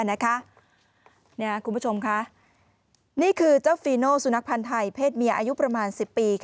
นี่คือเจ้าฟีโนสุนัขพันธ์ไทยเพศเมียอายุประมาณ๑๐ปี